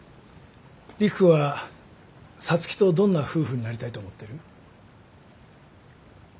陸くんは皐月とどんな夫婦になりたいと思ってる？